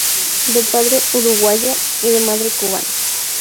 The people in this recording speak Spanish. De padre uruguayo y de madre cubana.